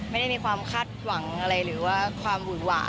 ไม่ได้มีความคาดหวังอะไรหรือว่าความหุ่นหวา